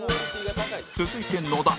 続いて野田